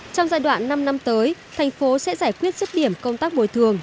trong giai đoạn năm năm tới thành phố sẽ giải quyết sức điểm công tác bồi thường